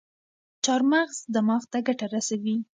چارمغز دماغ ته ګټه رسوي.